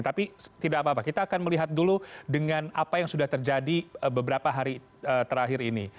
tapi tidak apa apa kita akan melihat dulu dengan apa yang sudah terjadi beberapa hari terakhir ini